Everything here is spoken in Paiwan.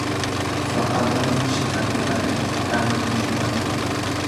tucu a qadaw sika pidalj ta niciuan?